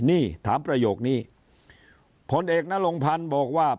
นี่ถามประโยคนี้ผลเอกนรงพันธ์บอกว่า